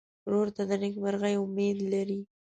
ورور ته د نېکمرغۍ امید لرې.